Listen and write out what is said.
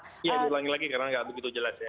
iya ulangi lagi karena tidak begitu jelas ya